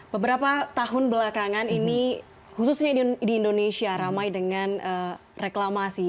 beberapa tahun belakangan ini khususnya di indonesia ramai dengan reklamasi